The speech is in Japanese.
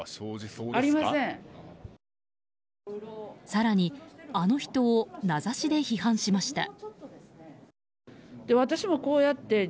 更に、あの人を名指しで批判しました。